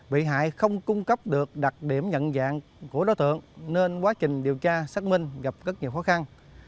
bị hại không cung cấp được đặc điểm nhận dạng của đối tượng nên quá trình điều tra xác minh gặp rất nhiều khó khăn